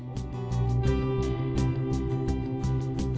menyandang status kegiatan